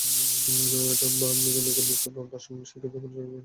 Verne লিখেছেন, মেঘের নিচে ভাসমান সেই বিজ্ঞাপন সবার চোখে পড়তে বাধ্য থাকবে।